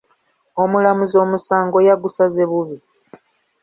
Omulamuzi omusanago yagusaze bubi.